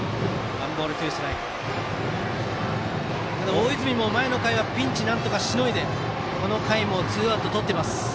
大泉も前の回はピンチをなんとかしのいでこの回もツーアウトをとっています。